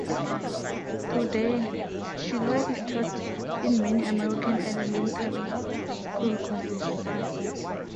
Today, "Shiloh" is taught in many American elementary school courses.